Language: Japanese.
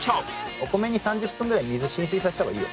お米に３０分ぐらい水浸水させた方がいいよ。